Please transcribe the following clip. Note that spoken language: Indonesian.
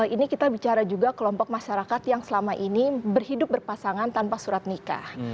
ini kita bicara juga kelompok masyarakat yang selama ini berhidup berpasangan tanpa surat nikah